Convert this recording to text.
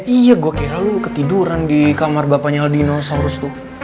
iya gue kira lo ketiduran di kamar bapaknya al dinosaurus tuh